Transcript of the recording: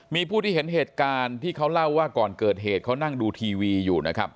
มีผู้ที่เห็นเหตุการณ์ที่เขาเล่าว่าก่อนเกิดเหตุเขานั่งดูทีวีอยู่นะครับ